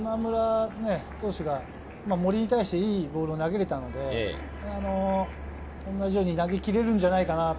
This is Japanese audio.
今村投手が森に対していいボールを投げれたので、同じように投げきれるんじゃないかなと。